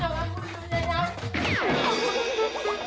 jangan bunuh yayang